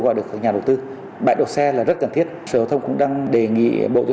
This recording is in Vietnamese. gọi được các nhà đầu tư bãi đổ xe là rất cần thiết sở hóa thông cũng đang đề nghị bộ giao